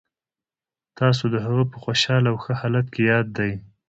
تاسو ته هغه په خوشحاله او ښه حالت کې یاد دی